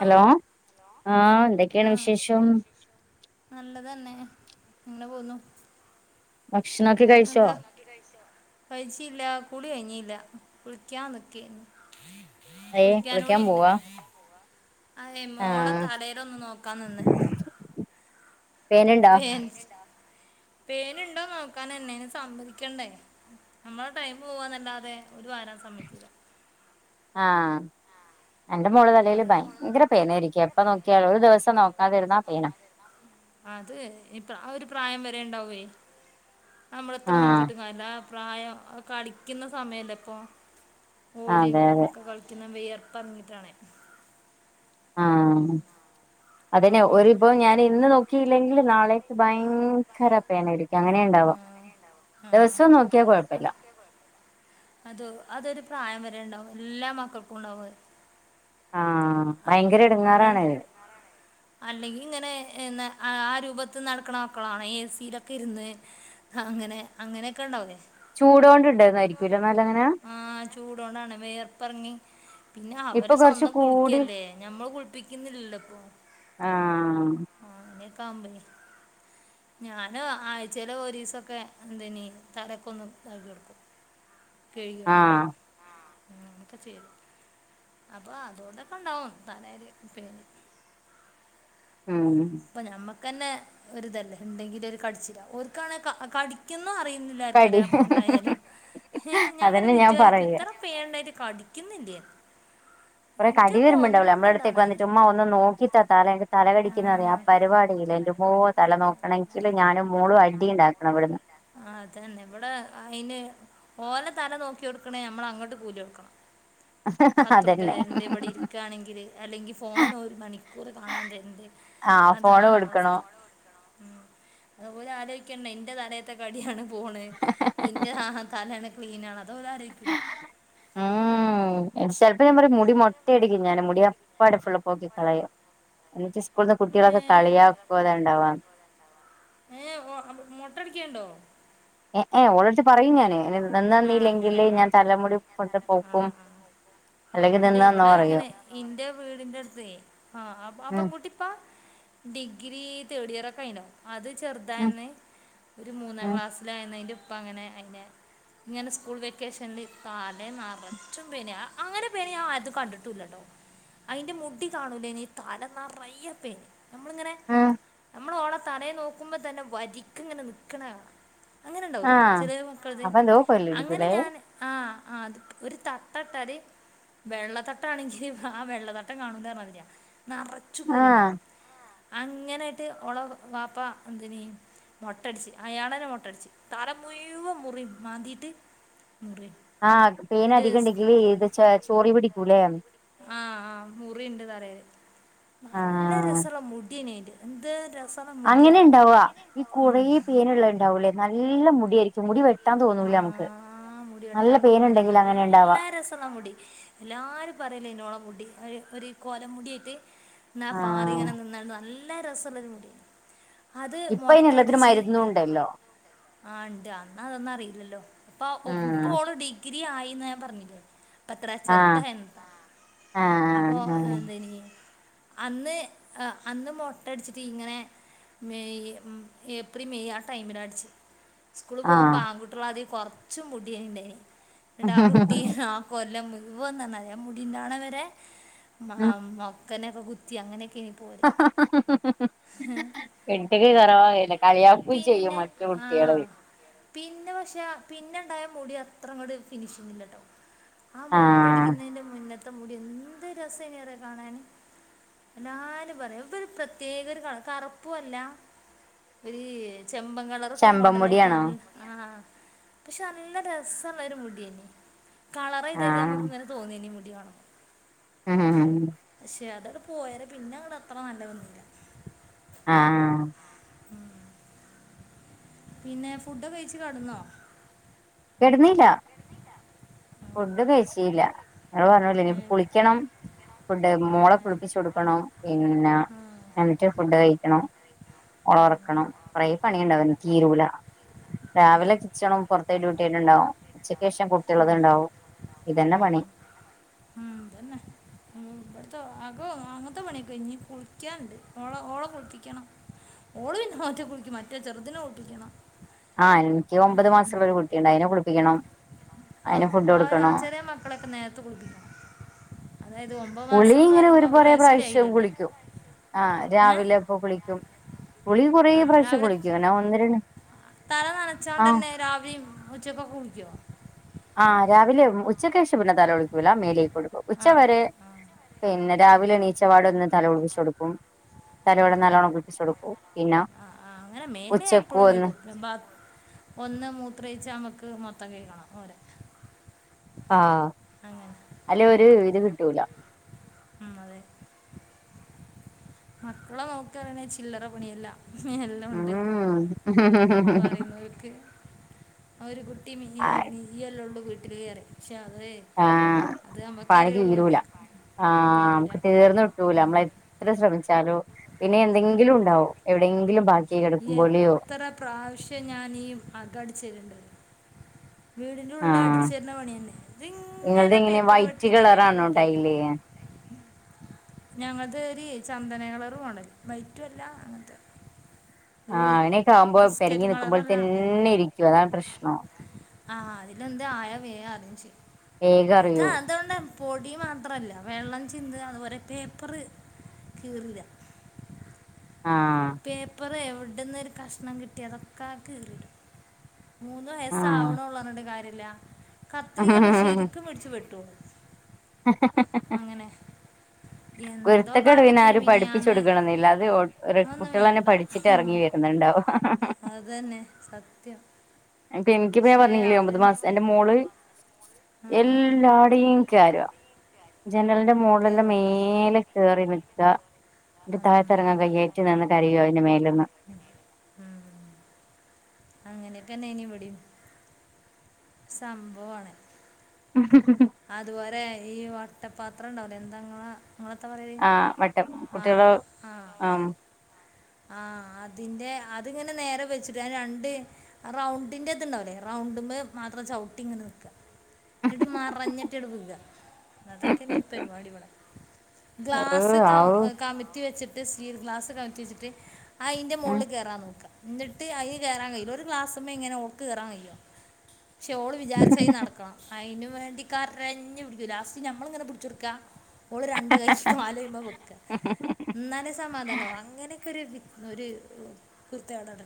Hello ആഹ എന്തൊക്കെയാണ് വിശേഷം നല്ലതന്നെ അങ്ങനെ പോന്നുന്നു ഭക്ഷണ എന്താ കഴിച്ചില്ല കുളി കഴിഞ്ഞില്ല കുളിക്കാനിക്കെന്നു കുളിക്കാന കൂടി ഇണ്ട് അതെ മോളെ തലേയിലന്ന് നോക്കാൻ നിന്ന് പേൻ പേനുണ്ടോ നോക്കാൻ എന്നെന് സമ്മതിക്കണ്ടേ നമ്മള ടൈം പോവന്നല്ലാതെ ഒരു വാരം സമ്മിച്ച ആഹ എന്റെ മോള് തലയില് ഭയങ്കര പെന ഇരിക്കും എപ്പൊ നോക്കിയാലോ ഒരു ദിവസം നോക്കാതിരുന പേന അത ഇ ഒരു പ്രായം വരെണ്ടാവേ നമ്മള എത്ര നോക്കിട്ട് കാര്യയില്ല പ്രായം കളിക്കുന്ന സമയല ഇപ്പോ ഓടിയും ഒക്കെ കളിക്കുന്ന വിയർ പറഞ്ഞിട്ടാണ് ആഹ അതെ ഒരുരിപ്പോ ഞാൻ ഇന്ന് നോക്ക ഇല്ലെങ്കിൽ നാളെയേക്ക് ഭയങ്കര പേനായിരിക്കും അങ്ങനെ ഉണ്ടാവാം ദിവസവും നോക്കിയാൽ കുഴപ്പില്ല അത് അതൊരു പ്രായം വരെണ്ടാവും എല്ലാ മക്കൾക്കും ഉണ്ടാവും ആഹ ഭയങ്കര എടുങ്ങാറാണ് ഇത് അല്ലെങ്കിൽ ഇങ്ങനെ ആ രൂപത്തി നടക്കണ മക്കളാണ് എഏ സിയിലൊക്കെ ഇരുന്ന് അങ്ങനെ അങ്ങനെയൊക്കെ ഉണ്ടാവേ ചൂടൊണ്ടിണ്ടായിരുന്നായിരിക്കൂല്ലോ നാലഅങ്ങനെ ആ ചൂടണ്ടാണ് വേർപ്പറങ്ങി പിന്നെ അവര് സ്വന്തം കു ല്ലേ മ്മെ കുളിപ്പിക്കുന്നില്ലല്ലോ ഇപ്പൊ ആഹ ആഹ [unintelligible] ഞാൻ ആഴ്ചയില ഒരു ദിവസൊക്കെ എന്തന് തലക്കൊന്നുതാക്കി കൊടുക്കും [unintelligible] കഴുകിക്കും ആഹാ അതൊക്കെ ചെയ്തു അപ്പൊ അതുകൊണ്ടൊക്കെ ഉണ്ടാവും തലല് പേന് ഉം അപ്പൊ നമ്മക്ക് തന്നെ ഒരു ഇതല്ലേ എണ്ടെങ്കിലും ഒരു കടിച്ചില ഓർക്കണങ്കി ക കടി ക്കുന്ന അറുന്നില്ല ആർക്കും ഒരാണ്ടായാലും ഞാങ്ങനെ വിചാരിക്കും ഇത്ര പേനണ്ടായിട്ട് കടിക്കുന്നില്ലേ കുറെ കടിവരുമ്പുണ്ടാവല്ലോ നമ്മളടുത്തേക്ക് വന്നട്ട ഉമ്മ ഒന്ന് നോക്കിതാ തല എന്റെ തല കടിക്കന്ന് പറ ആ പരിപാടിയിൽ എറൻ്റെമൂവോ തല നോക്കണമെങ്കിൽ ഞാനും മൂളും അടി ഉണ്ടാക്കണം ഇവിടുന്ന് ആ അത തന്നെ ഇവിടെ അതിന് ഓലെ തല നോക്കി കൊടുക്കണെ നമ്മൾ അങ്ങോട്ട് കൂലി കൊടുക്കണം പത്ത്റൂപ തരണ്ട് ഇവിടെ ഇരിക്കുകയാണെങ്കില് അല്ലെങ്കിൽ ഫോന ഒരു മണിക്കൂർ കാണാൻ തരണ്ട് അതാണ് അവസ്ഥ ഉം അതുപോലെ ആലോചിക്കണ്ട എന്റെ തലേത്തെ കടിയാണ് പോണ് ഇന്റെ തലോണ് ക്ലീനാണ് അതോല ആരയിക്കുല്ല ആഹ് ഉം ചിലപ്പോം ഞാൻ പറയും മുടി മൊട്ടയടിക്കും ഞാൻ മുടി അപ്പാടെ ഫുള്ള് പോക്കി കളയും എന്നിട്ട് സ്കൂൾത്തെ കുട്ടികളൊക്കെ കളിയാക്കു ഉണ്ടാവാം ഏഹ് മൊട്ട അടിക്കുണ്ടോ ഏഹ് ഏഹ് ഓൾടെ അടുത്ത് പറയും ഞാന് നിന്ന് തന്നിയില്ലെങ്കില് ഞാൻ തലമുടി കൊണ്ട് പോക്കും അല്ല ഇവിടെ ഇങ്ങനെ ഇന്റെ വീടിന്റെ അടുത്ത് ആഹ് പെൺകുട്ടി അപ്പ ഡിഗ്രി തേർഡ് ഇയറൊക്കെ ആയിനോണ്ടാ അത് ചെറുതായിരുന്നു ഒരു മൂന്നാം ക്ലാസ്സിലായിരുന്നതിൻ്റെ അപ്പ അങ്ങനെ അയിന്റെ ഇങ്ങനെ സ്കൂൾ വെക്കേഷനിൽ തല നിറച്ചും പേന് അങ്ങനെ പേന് ഞാൻ ആരുടെ അടുത്തും കണ്ടിട്ടില്ലാട്ടോ അതിന്റെ മുടി കാണൂലേ തല നിറയെ പേൻ നമ്മളിങ്ങനെ നമ്മൾ ഓള തല നോക്കുമ്പോ തന്നെ വരിക്ക് ഇങ്ങനെ നിക്കുന്നെ കാണം അങ്ങനെ ഉണ്ടാവുലേ ചെല മക്കളത് അങ്ങനെ ഞാൻ ആഹ് ആഹ് അത് ഒരു തട്ടം ഇട്ടാല് വെള്ളത്തട്ടം ആണെങ്കില് ആഹ് വെള്ളത്തട്ടം കാണുല്ല നിറച്ചു കിറിണ്ടാവും അങ്ങനെ ആയിട്ട് ഓളെ വാപ്പാ എന്തിന് മൊട്ടയടിച്ച് അയാളെന്നെ മൊട്ടയിച്ച് തല മുഴുവൻ മുറിയും മാന്തിയിട്ട് ആഹ് പേൻ അധികം ഇണ്ടെങ്കില് ഇത് ചൊറി പിടിക്കൂല്ലേ ആഹ് ആഹ് മുറിയുണ്ട് തലയിൽ നല്ല രസമുള്ള മുടിയാണ് അതിന്റെ എന്ത് രസ അങ്ങനെ ഉണ്ടാവുക ഈ കുറെ പേനുള്ള ഉണ്ടാവൂല്ലേ നല്ല മുടിയായിരിക്കും മുടി വെ ആഹ മുടി വെട്ടാൻ തോന്നൂല്ല നല്ല രസോള്ള മുടി എല്ലാരും പറയല്ലയർന്ന് ഓളെ മുടി ഹെയ് കോലൻ മുടിയയിട്ട് ഇന്ന പാറിയിങ്ങന നിന്നാണ്ട് നല്ല രസമുള്ളൊരു മുടിയ അത് മൊട്ടയടിച്ച് ആഹ് ഇണ്ട് അന്ന് അതൊന്നും അറിഞ്ഞില്ല ഇല്ലല്ലോ ഇപ്പ ഓള് ഡിഗ്രി ആയിന്ന് ഞാൻ പറഞ്ഞില്ലേ അത്ര ചെറുതായിരുന്ന അപ്പോ എന്തായിനി അന്ന് അന്ന് മൊട്ട അടിച്ചിട്ട് ഇങ്ങനെ മേയ് മംഏപ്രി മെയ് ആഹ് ടൈമിലാണ് അടിച്ചത് സ്കൂള് പോകുമ്പോ ആൺകുട്ടികള ആദ്യം കുറച്ചും മുടിയെണ്ടായ് എന്നിട്ട് ആഹ് കുട്ടി കൊല്ലം മുഴുവന്ന അഹ് മുടി ഉണ്ടാണവരെ മ മസ്താനോക്കെ കുത്തി അങ്ങനെയൊക്കെ കുട്ടിക്ക് കോറവായി കളിയാക്കും ചെയ്യും മറ്റു കുട്ടിക്കള് പിന്നെ പക്ഷെ പിന്നെ ഉണ്ടായ മുടി അത്ര ഫിനിഷിങ്ങ് ഇല്ലാട്ടോ ആഹ് മെട്ടടിക്കുന്നതിന്റെ മുന്നത്തെ മുടി എന്ത് രസേനും കാണാന് എല്ലാരും പറയും ഒരു പ്രത്യേക ഒരു കളർ കറുപ്പും അല്ല ഒരു ചെമ്പൻ കളറൊക്കെ മോഡല ആയിട്ടാണല്ലോ ആഹ് പക്ഷെ നല്ല രസമുള്ള ഒരു മുടി അരുന്നു കളർ ചെയ്തത് നമുക്ക് ഇങ്ങനെ തോന്നിനി ഈ മുടി കാണുമ്പോ ഉം പക്ഷെ അത് പോയല് പിന്നെ അത്ര നല്ലത് ഒന്നുല്ല ആഹ് ഉം പിന്നെ ഫുഡ് ഒക്കെ കഴിച്ചു കടന്നോ കേട്നീല ഫുഡും കൈച്ചീല ഇങ്ങള് പറഞ്ഞ പോലെ കുളിക്കണം ഫുഡ് മോളെ കുളിപ്പിച്ചു കൊടുക്കണം പിന്നെ എന്നിക്ക് ഫുഡ് കഴിക്കണം ഓളെ ഒറക്കണം കുറെ പണിയുണ്ടാവന തിരുല രാവിലെ കിച്ചണും പുറത്ത് ത്തെ ഡ്യൂട്ടിട്ടിണ്ടാവും. ഉച്ചയ്ക്കേഷം കുട്ടിയേൾത്ണ്ടാവും. ഇതന്നെ പണി ഉം ഇതന്നെ ഉം ഇവട്ത്തെ അകോ അങ്ങൻത്തെ പണിയൊക്കെ കഴിഞ്ഞ്. കുളിക്ക്യാൻണ്ട് ഓളെ ഓളെ കുളിപ്പിക്കണം. ഓളു പിന്നെ ഒറ്റക്ക് കുളിക്കും. മറ്റേ ചെറുതിനെ കുളിപ്പിക്കണം ആഹ് എൻക്ക് ഒമ്പത് മാസള്ള ഒരു കുട്ടിണ്ട്. അയിനെ കുളിപ്പിക്കണം. ആഹ്. ഒരാ ചെറിയ മക്കളെയൊക്കെ നേരത്തെ കുളിപ്പിക്കണം. കുളി ഇങ്ങനെ ഒരു കൊറെ പ്രാവശ്യം കുളിക്കും ആഹ് രാവിലെ പ്പൊ കുളിക്കും. കുളി കൊറേ പ്രാവശ്യം കുളിക്കും ഇങ്ങനെ ഒന്ന് രണ്ട് തല നനച്ചാണ്ടന്നെ രാവിലിം ഉച്ചക്കൊക്കെ കുളിക്ക്യോ? ആഹ് രാവിലെ ഉച്ചക്കേഷം പിന്നെ തല കുളിക്കുല മേല് കഴുകി കൊടുക്കും. ഉച്ച വരെ പിന്നെ രാവിലെ എണീച്ചപാടെ ഒന്ന് തല കുളിപ്പിച്ചു കൊടുക്കും. തലയോടെ നല്ലോണം കുളിപ്പിച്ചു കൊടുക്കും. ആഹ് ആഹ് അങ്ങനെ. മേല് എപ്പഴും കഴുകും. ബാത് ഒന്ന് മുത്രൊയിച്ചാ നമക്ക് മൊത്തം കഴികണം ഓലെ. ആഹ്. അല്ലേ ഒര് ഇത് കിട്ടൂല. ഹും അതെ. മക്കളെ നോക്ക പറിണെ ചില്ലറ പണിയല്ല. എല്ലൂണ്ട്. ഉം പറിന്നോൽക്ക് ആഹ് ഒരു കുട്ടി മി നീയല്ലൊള്ളു വീട്ടില് പറിം. പക്ഷേ അത് ആഹ് പണി തീരൂല. ആഹ് നമുക്ക് തീർന്ന് കി ട്ടൂല നമ്മളെത്ര ശ്രമിച്ചാലും. ഇനി എന്തെങ്കിലും ഉണ്ടാവും. എവിടെയെങ്കിലും ബാ എത്ര പ്രാവശ്യം ഞാനീ അകം അടിച്ചര്ണ്ട്. വീടിൻ്റെ ഉള്ള് അടിച്ചു വാര്ന പണിയെന്നെ. ഇത്ങ്ങനെ പേപ്പർ വെട്ടിടാ പേപ്പർ വെട്ടിടാ ഞങ്ങളത് ഒരു ചന്ദന കളറും ആണ്. വൈറ്റും അല്ല അങ്ങൻത്തെ ആഹ് അങ്ങനൊക്കെ ആകുമ്പോ പെരങ്ങി നിക്കുമ്പോൽ തന്നെ ഇരിക്കും അതാണ് പ്രശ്നം. ആഹ് അതിലെന്തെ ആയാ വേഗം അറിയും ചെയ്യും. ഇതാ ഇതുകൊണ്ട് പൊടി മാത്രല്ല വെള്ളം ചിന്ത അതുപോലെ പേപ്പറ് കീറിടാ ആഹ് പേപ്പറ് എവിടുന്നൊരു കഷ്ണം കിട്ടിയാ അതൊക്കെ കീറിടും. മൂന്ന് വയസ്സാവുണോള്ളുന്ന് പറഞ്ഞിട്ട് കാര്യല്ല. കത്രികൊക്കെ ശരിക്കും പിടിച്ചു വെട്ടോള്. ആഹ അങ്ങനെ കുരുത്തക്കെട് പിന്നെ ആരും പഠിപ്പിച്ചു കൊടുക്കണംന്നില്ല. അത് ഒ ഒര് കുട്ടികളെന്നെ പഠിച്ചിട്ട് എറങ്ങി വരുന്നുണ്ടാവും. അതന്നെ സത്യം. ഇപ്പ ഇൻക്കിപ്പം ഞാൻ പർഞ്ഞില്ലേ ഒമ്പത് മാസം എന്റെ മോള് എല്ലാടെയും കേരാ ജനലിന്റെ മോളില്ലെ മേലെ കേറി നിക്കാ, ന്നട്ട് താഴത്തെറങ്ങാൻ കൈയായ്റ്റ് നിന്ന് കരയാ അതിന്റെ മേലെന്ന്. ഉം ഊം അങ്ങനെക്കെന്നേനി ഇവടിം. സംഭവാണ് ഹി ഹി ഹി അതുപോരെ ഈ വട്ടപാത്രം ഉണ്ടാവുലെ എന്താങ്ങളെ ഇങ്ങളെത്താ പറയല് ആഹ് ആഹ് ആഹ് അതിന്റെ അതിങ്ങനെ നേരെ വെച്ചിട്ട് ആ രണ്ട് റൗണ്ടിൻ്റെ ഇത് ഇണ്ടാവുല്ലേ. റൗണ്ട്മം മാത്രം ചൗട്ടി ഇങ്ങനെ നിക്കാ. ഇന്നട്ട് മറഞ്ഞെട്ടിയാണ്ട് വികാ അതൊക്കെന്നെ പരിപാടി വടെ. ഗ്ലാസ് ക കമിത്തി വെച്ചിട്ട് സ്റ്റീൽ ഗ്ലാസ് കമത്തി വെച്ചിട്ട് അയിന്റെ മോളില് കേറാൻ നോക്കാ. എന്നിട്ട് അതില് കയറാൻഴിയൂല ഒരു ക്ലാസ്സുമേ എങ്ങനഓക്ക് കേറൻ കയിയോ ക്ഷെ ഓള് വിചാരിച്ചത് നടക്കണം അതിനുവേണ്ടി കരഞ്ഞഞ് പിടിക്കു ലാസ്റ്റ് ഞമ്മള് ഇങ്ങനെ പിടിച്ചെടുക്കാ ഓള് രണ്ട് കൈക്ക് കാലയ്മ്മം വെക്ക എന്നാലെ സമാധാനാവൂ അങ്ങനെ തൊരു ഒരു കുരുത്തക്കേടാണ്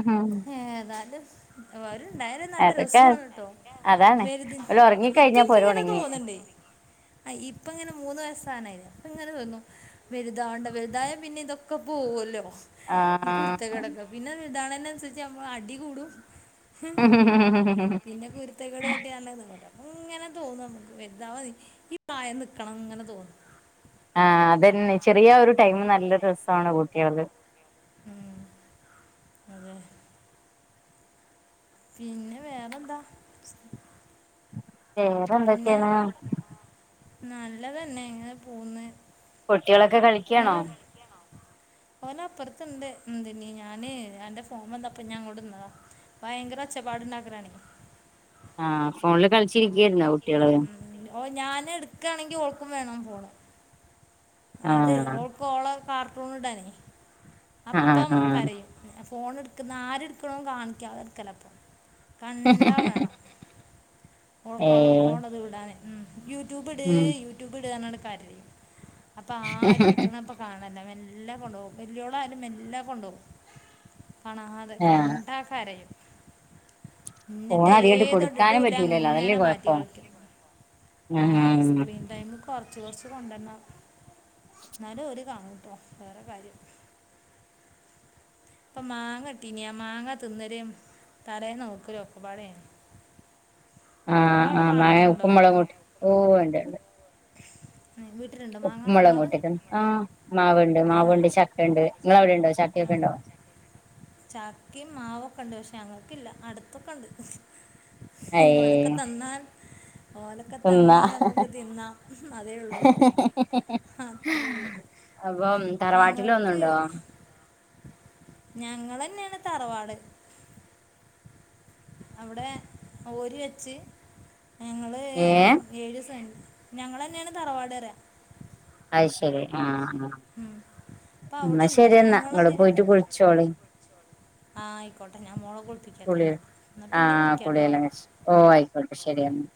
ആഹ് ഏതാലും ഓര് ഉണ്ടായാലും നല്ല രസാണുട്ടോ വലുത് ഇപ്പം ഇനിക്ക് ഇങ്ങനെ തോന്ന്ണ്ട് ഇപ്പ ഇങ്ങനെ മൂന്ന് വയസാവാനായിലെ അപ്പൊ ഇങ്ങനെ തോന്നു വെലുതാവണ്ട വെലുതായാപിന്നെ ഇതൊക്കെ പോവലോ ഈ കുരുത്തകേടൊക്കെ പിന്നെ വെലുത്തവുന്നതിനനുസരിച്ച് നമ്മൾ അടി കൂടും. പിന്നെ കുരു ത്തകേട് കട്ട്യണ്ട് എന്നുള്ളത് ഇങ്ങനെ തോന്നു നമ്മക്ക് വലുതവാതെ ഈ പ്രായം നിക്കണം ഇങ്ങനെ തോന്നും. ആഹ അതന്നെ ചെറിയ ഒരു ടൈം നല്ല രസമാണ് കുട്ട്യളത്. മ്മ് അതെ പിന്നെ വേറെന്ത വേറെ എന്തൊക്കെയാണ്. നല്ലതന്നെ ഇങ്ങനെ പോന്ന് കുട്ടികളൊക്കെ കളിക്കാണോ? ഓന് അപ്പറത്ത്ണ്ട് എന്തിന് ഞാന് അന്റെ ഫോൺ വന്നപ്പോ ഞാൻ ഇങ്ങോട് നിന്നതാ ഭയങ്കര ഒച്ചപാട് ഇണ്ടാക്ക്ണാണേയ് ആഹ് ഫോണില് കളിച്ചിരിക്കായിരുന്നോ കുട്ടികള് ഉം ഓ ഞാന് ഇടുക്കാണെങ്കി ഓൾക്കും വേണം ഫോണ് അത് ഓൾക്ക് ഓളെ കാർട്ടൂണ് ഇടാനേയ് അപ്പം കരയും ഫോൺ ഇടുക്കുന്ന ആര് ഇടുക്കണോം കാണിക്കാതെ ഇടുക്കല ഇപ്പം കണ്ടാ വേണം ഓൾക്ക് ഓളെ ഓളത് വിടാന് ഉം യൂട്യൂബ് ഇട് യൂട്യൂബ് ഇട് അർഞ്ഞണ് കരയും. അപ്പ ആരും ഇട്ക്കണപ്പ കാണല്ല മെല്ലെ കൊണ്ടോവും വല്യോളായാലും മെല്ലെ കൊണ്ടോവും. കാണ അതെ കണ്ട കരയും. ന്നിട്ട് ഏതൊട് ടിടൂല്ല അങ്ങനെ മാറ്റി കളിക്കും. ആഹ് സ്ക്രീൻ ടൈം കൊറച്ച് കൊറച്ച് കൊണ്ടരണം. ന്നാലും ഓല് കാണൂട്ടോ വേറെ കാര്യം അപ്പൊ മാങ്ങട്ടീനിം ആ മാങ്ങ തിന്നരേം തലേ നോക്കലും ഒക്കെപാടെയാണ്. ആഹ് ആഹ് മാങ്ങ ഉപ്പും മൊളകും കൂട്ടി ഓഹ് ഉണ്ട് ഉണ്ട് ഏഹ് വീട്ടിരിണ്ട് ഉപ്പും മൊളകും കൂട്ടീട്ട് ആ മാവുണ്ട് മാവുണ്ട് ചക്കണ്ട് ഇങ്ങളെ അവിടെണ്ടോ ചക്ക ഒക്കെണ്ടോ ചക്കെ മാവൊക്കെണ്ട് പക്ഷെ ഞങ്ങക്കില്ല അടുത്തൊക്കെണ്ട്. ഓലൊക്കെ തന്നാൽ ഓലൊക്കെ തന്നാൽ നമുക്ക് തിന്നാം അതേള്ളൂ അത്രേ ഉള്ളൂ അപ്പം തറവാട്ടിലൊന്നുണ്ടോ ഞങ്ങളെന്നേണ് തറവാട്. അവിടെ ഓരി വെച്ച് ഞങ്ങളേഴ് ഏഴ് ദിവസം ഞങ്ങളെന്നേണ് തറവാട് അറിയ അഹ് ശരി ആഹ് ആഹ് ന്ന ശരിന്നാ ഇങ്ങള് പോയിട്ട് കുളിച്ചോളീം ആഹ് അയ്ക്കോട്ടെ ഞാൻ മോളെ കുളിപ്പിക്കട്ടെ ന്നാല് ന്ന പിന്നെ വിളിക്കാട്ടോ [unintelligible] ഓഹ് ആയിക്കോട്ടെ ശരിയെന്ന